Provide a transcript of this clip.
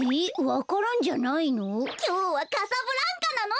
わか蘭じゃないの？